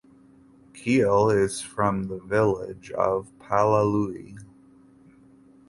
Keil is from the village of Palauli.